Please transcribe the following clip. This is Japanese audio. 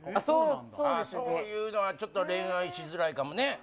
そういうのはちょっと恋愛しづらいかもね。